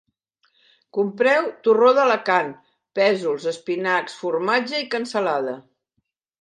Compreu torró d'Alacant, pèsols, espinacs, formatge i cansalada